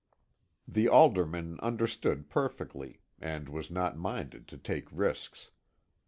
The alderman understood perfectly, and was not minded to take risks.